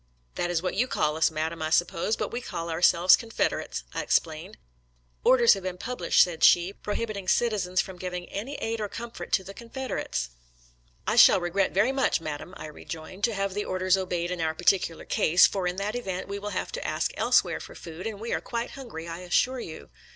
"" That is what you call us, Madam, I suppose, but we call ourselves Confederates," I explained. " Orders have been published," said she, "prohibiting citizens from giving any aid or comfort to the Confederates." " I shall regret very much. Madam," I rejoined, " to have the orders obeyed in our particular case, for in that event we will have to ask else where for food, and we are quite hungry, I assure you."